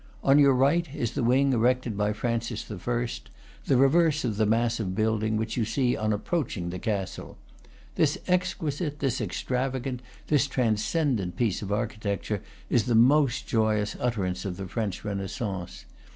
On your right is the wing erected by Francis I., the reverse of the mass of building which you see on approaching the castle. This exquisite, this extravagant, this trans cendent piece of architecture is the most joyous ut terance of the French Renaissance.